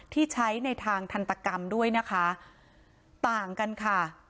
ที่ใช้ในทางทันตกรรมด้วยนะคะต่างกันค่ะ